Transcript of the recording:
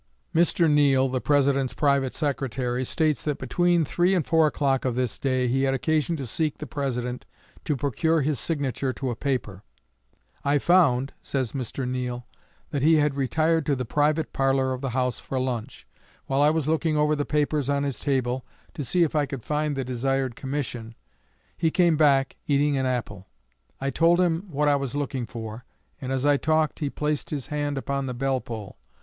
Mr. Neill, the President's private secretary, states that between three and four o'clock of this day he had occasion to seek the President to procure his signature to a paper. "I found," says Mr. Neill, "that he had retired to the private parlor of the house for lunch. While I was looking over the papers on his table, to see if I could find the desired commission, he came back, eating an apple. I told him what I was looking for, and as I talked he placed his hand upon the bell pull.